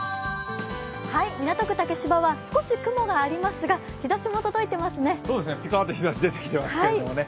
港区竹芝は少し雲もありますが、日差しも出てきましたね。